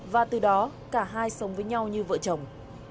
và từ đó cả hai sống với nhau như vợ chồng